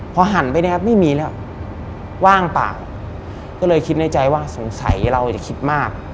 พอหันไปเนี่ยไม่มีแล้วว่างปากก็เลยคิดในใจว่าสงสัยเราจะคิดมาก